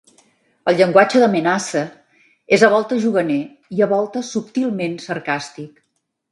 El llenguatge de Menasse es a voltes juganer i a voltes subtilment sarcàstic.